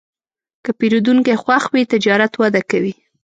که پیرودونکی خوښ وي، تجارت وده کوي.